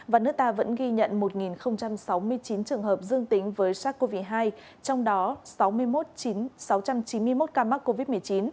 và nước ta vẫn ghi nhận một sáu mươi chín trường hợp dương tính với sars cov hai trong đó sáu mươi một sáu trăm chín mươi một ca mắc covid một mươi chín